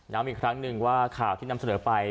อีกครั้งหนึ่งว่าข่าวที่นำเสนอไป